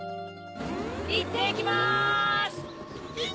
いってきます！